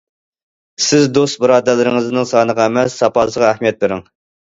سىز دوست- بۇرادەرلىرىڭىزنىڭ سانىغا ئەمەس، ساپاسىغا ئەھمىيەت بېرىڭ.